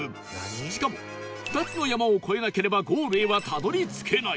しかも２つの山を越えなければゴールへはたどり着けない